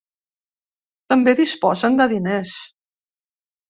També disposen de diners.